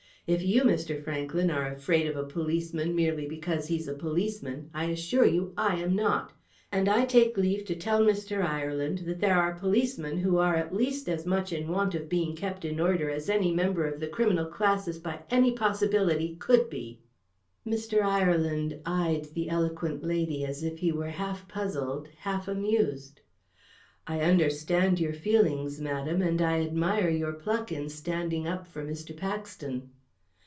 If you, Mr. Franklyn, are afraid of a policeman, merely because he's a policeman, I assure you I am not. And I take leave to tell Mr. Ireland that there are policemen who are, at least, as much in want of being kept in order as any member of the criminal classes by any possibility could be." Ireland eyed the eloquent lady as if he were half puzzled, half amused. "I understand your feelings, madam, and I admire your pluck in standing up for Mr. Paxton."